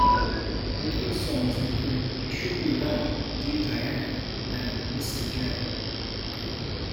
Notable songs include "You Should Be Running", "Dear Diane" and "Mr. Jade".